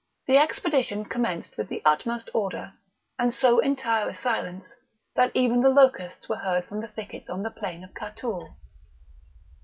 The expedition commenced with the utmost order and so entire a silence, that even the locusts were heard from the thickets on the plain of Catoul.